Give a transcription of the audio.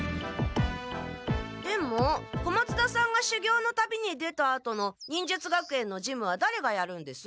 でも小松田さんがしゅぎょうの旅に出たあとの忍術学園の事務はだれがやるんです？